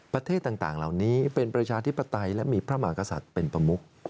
ประเทศต่างเหล่านี้เป็นประชาธิปไตยและมีพระมากษัตริย์เป็นประมุก